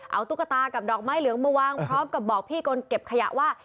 เอาตุ๊กตากับดอกไม้เหลืองมาวางพร้อมกับบอกพี่คนเก็บขยะว่า